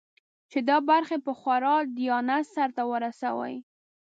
چې دا برخې په خورا دیانت سرته ورسوي.